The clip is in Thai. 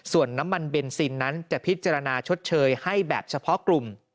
ส่วนน้ำมันเบนซินนั้นจะพิจารณาชดเชยให้แบบเฉพาะกลุ่ม